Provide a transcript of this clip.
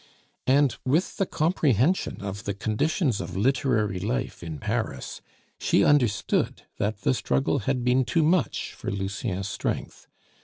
And with the comprehension of the conditions of literary life in Paris, she understood that the struggle had been too much for Lucien's strength.